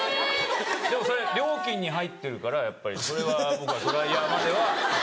それ料金に入ってるからやっぱりそれは僕はドライヤーまでは。